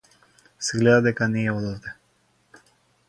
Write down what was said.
Се гледа дека не е од овде.